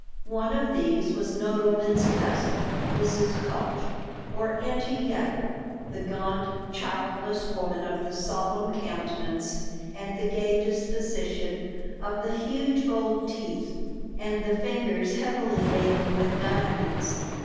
One of these was Nodelman's cousin, Mrs. Kalch, or Auntie Yetta, the gaunt, childless woman of the solemn countenance and the gay disposition, of the huge gold teeth, and the fingers heavily laden with diamonds.